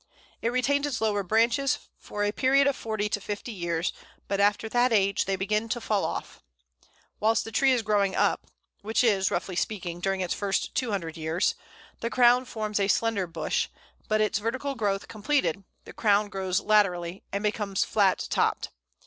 It retains its lower branches for a period of forty to fifty years, but after that age they begin to fall off. Whilst the tree is growing up which is, roughly speaking, during its first two hundred years the crown forms a slender bush; but its vertical growth completed, the crown grows laterally, and becomes flat topped.